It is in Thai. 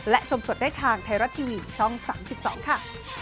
และชมสดได้ทางไทยรัฐทีวีช่อง๓๒ค่ะ